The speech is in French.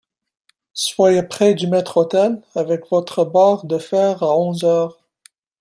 Soyez près du maître-autel avec votre barre de fer à onze heures.